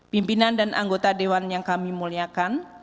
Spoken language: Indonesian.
pimpinan dan anggota dewan yang kami muliakan